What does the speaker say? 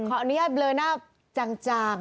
เพราะอันนี้เบลอหน้าจาง